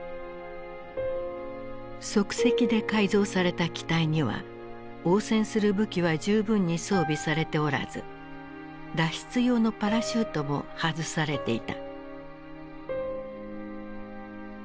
即席で改造された機体には応戦する武器は十分に装備されておらず脱出用のパラシュートも外されていた。